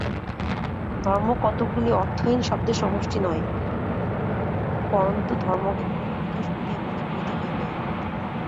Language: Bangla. ধর্ম কতকগুলি অর্থহীন শব্দের সমষ্টি নয়, পরন্তু ধর্মকে ক্রমবিকাশ বলিয়া মনে করিতে হইবে।